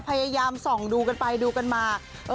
พยายามส่องดูกันไปดูกันมา